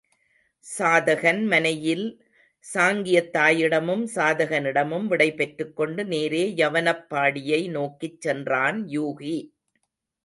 சாதகன் மனையில் சாங்கியத் தாயிடமும் சாதகனிடமும் விடை பெற்றுக்கொண்டு நேரே யவனப்பாடியை நோக்கிச் சென்றான் யூகி.